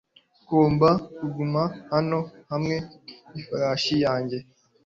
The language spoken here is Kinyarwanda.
Ngomba kuguma hano hamwe n'ifarashi yanjye .